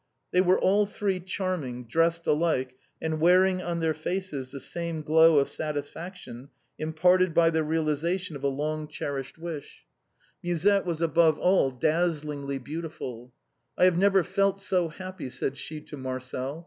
They were all three charming, dressed alike, and wearing 233 THE BOHEMIANS OF THE LATIN QUAETEE. on their faces the same glow of satisfaction imparted by the realization of a long cherished wish. Musette was, above all, dazzlingly beautiful. " I have never felt so happy," said she to Marcel.